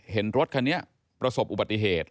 เห็นรถคันนี้ประสบอุบัติเหตุ